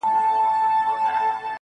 په څو رنگه عذاب د دې دنیا مړ سوم,